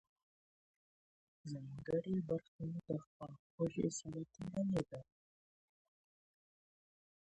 ځانګړې برخه د خواخوږۍ سره تړلې ده.